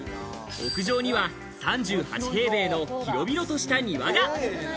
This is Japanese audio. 屋上には３８平米の広々とした庭が！